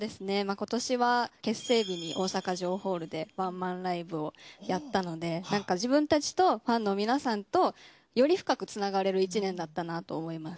今年は結成日に大阪城ホールでワンマンライブをやったので自分たちとファンの皆さんとより深くつながれる１年だったなと思います。